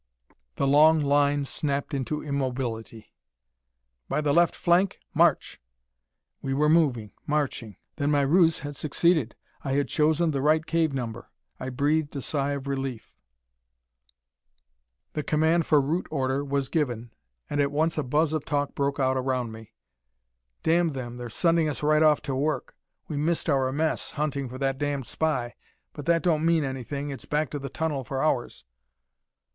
_" The long line snapped into immobility. "By the left flank, march!" We were moving, marching. Then my ruse had succeeded. I had chosen the right cave number. I breathed a sigh of relief. The command for route order was given, and at once a buzz of talk broke out around me. "Damn them, they're sending us right off to work! We missed our mess, hunting for that damned spy. But that don't mean anything. It's back to the tunnel for ours."